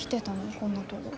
こんなとご。